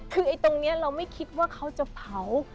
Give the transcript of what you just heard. คือตรงนี้เราไม่คิดว่าเขาจะเผา